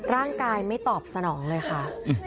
ร่างกายไม่ตอบสนองเลยค่ะ